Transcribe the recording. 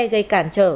gây cản trở